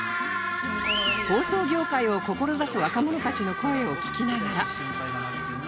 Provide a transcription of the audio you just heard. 放送業界を志す若者たちの声を聞きながら